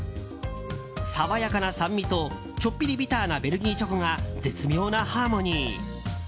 爽やかな酸味とちょっぴりビターなベルギーチョコが絶妙なハーモニー。